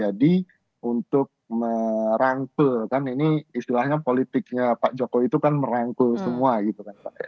jadi untuk merangkul kan ini istilahnya politiknya pak jokowi itu kan merangkul semua gitu